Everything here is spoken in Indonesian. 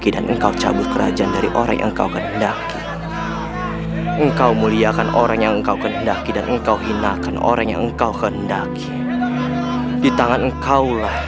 dan bidik pahlawan gawanya